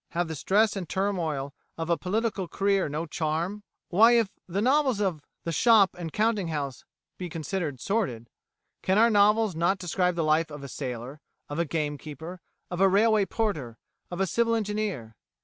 Have the stress and turmoil of a political career no charm? Why, if novels of the shop and counting house be considered sordid, can our novels not describe the life of a sailor, of a game keeper, of a railway porter, of a civil engineer?